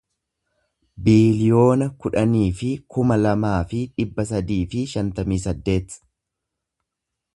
biiliyoona kudhanii fi kuma lamaa fi dhibba sadii fi shantamii saddeet